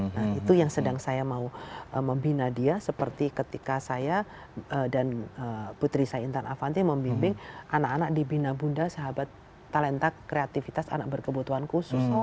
nah itu yang sedang saya mau membina dia seperti ketika saya dan putri saya intan avanti membimbing anak anak di bina bunda sahabat talenta kreatifitas anak berkebutuhan khusus